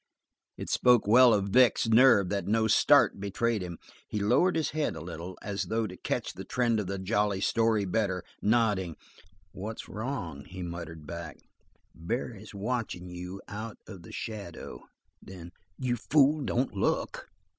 It spoke well of Vic's nerve that no start betrayed him. He bowed his head a little, as though to catch the trend of the jolly story better, nodding. "What's wrong?" he muttered back. "Barry's watchin' you out of the shadow." Then: "You fool, don't look!"